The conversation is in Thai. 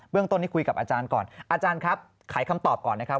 ต้นนี้คุยกับอาจารย์ก่อนอาจารย์ครับขายคำตอบก่อนนะครับ